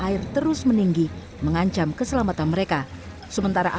itu tanggulnya jepul pak banjir semua pak